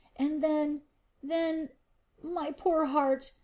and then then.... My poor heart!